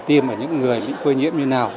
tiêm ở những người bị phơi nhiễm như nào